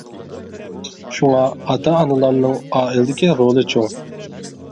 شۇڭا ئاتا ئانىلارنىڭ ئائىلىدىكى رولى چوڭ.